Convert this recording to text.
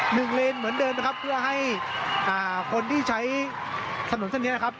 เลนเหมือนเดิมนะครับเพื่อให้อ่าคนที่ใช้ถนนเส้นนี้นะครับ